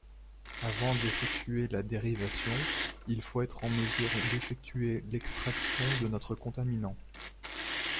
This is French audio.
Avant d’effectuer la dérivation, il faut être en mesure d’effectuer l’extraction de notre contaminant.